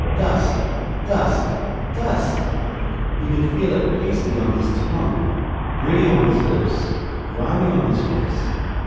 Dust, dust, dust! He could feel it pasty on his tongue, gritty on his lips, grimy on his face.